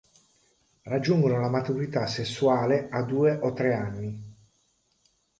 Raggiungono la maturità sessuale a due o tre anni.